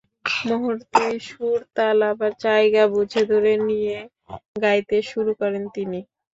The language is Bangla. মুহূর্তেই সুর-তাল আবার জায়গা বুঝে ধরে নিয়ে গাইতে শুরু করেন তিনি।